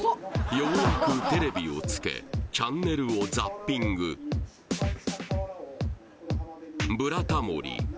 ようやくテレビをつけチャンネルをザッピング「ブラタモリ」